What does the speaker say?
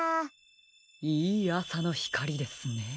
いいあさのひかりですね。